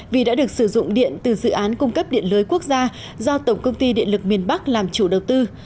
vì đã được sử dụng điện từ dự án cung cấp điện lưới quốc gia do tổng công ty điện lực miền bắc làm chủ đầu tư